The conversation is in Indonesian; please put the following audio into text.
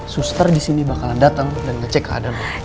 suster disini bakalan dateng dan ngecek keadaan lo